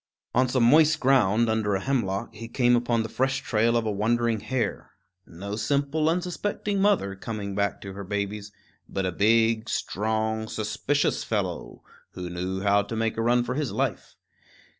On some moist ground, under a hemlock, he came upon the fresh trail of a wandering hare no simple, unsuspecting mother, coming back to her babies, but a big, strong, suspicious fellow, who knew how to make a run for his life.